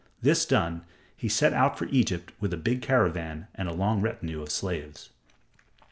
This done, he set out for Egypt with a big caravan and a long retinue of slaves.